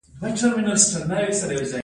پړانګ د طبیعي ښکلا نښه ده.